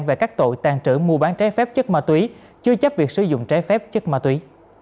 về các tội tàn trữ mua bán trái phép chất ma túy chưa chấp việc sử dụng trái phép chất ma túy